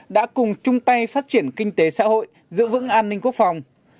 đã cùng chung tay phát triển kinh tế xã hội giữ vững an ninh quốc phòng